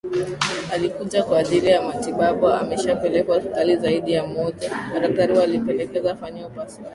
alikuja kwa ajili ya matibabuameshapelekwa hospitali zaidi ya moja madaktari walipendekeza afanyiwe upasuaji